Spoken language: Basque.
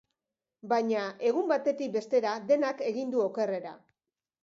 Baina, egun batetik bestera denak egingo du okerrera.